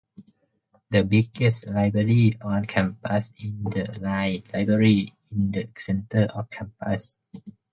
The biggest library on campus is the Lied Library in the center of campus.